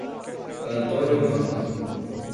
Antônio Ramos